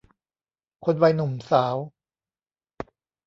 คนวัยหนุ่มสาว